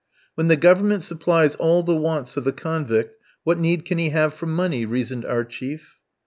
"When the Government supplies all the wants of the convict, what need can he have for money?" reasoned our chief.